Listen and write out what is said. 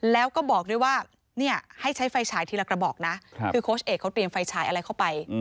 แล้วก็บอกด้วยว่าให้ใช้ไฟฉายทีละกระบอกนะคือโค้ชเอกเขาเตรียมไฟฉายอะไรเข้าไป